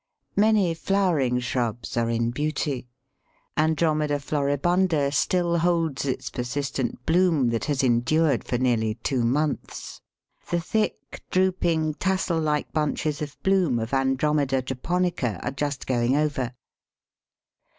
Many flowering shrubs are in beauty. Andromeda floribunda still holds its persistent bloom that has endured for nearly two months. The thick, drooping, tassel like bunches of bloom of Andromeda japonica are just going over.